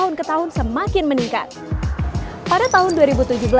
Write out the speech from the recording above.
dan kita harus mencari keuntungan yang lebih mudah untuk menjaga keuntungan kita